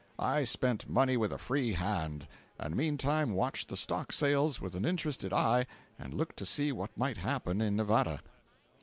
I spent money with a free hand, and meantime watched the stock sales with an interested eye and looked to see what might happen in Nevada.